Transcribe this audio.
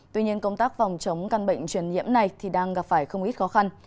tuy nhiên công tác phòng chống căn bệnh truyền nhiễm này thì đang gặp phải không ít khó khăn